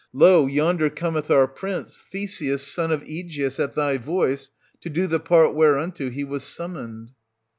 Lo, yonder cometh our prince, Theseus son of Aegeus, at thy voice, to do the part whereunto he was 550 summoned.